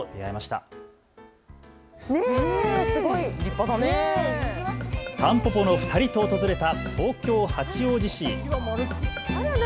たんぽぽの２人と訪れた東京八王子市。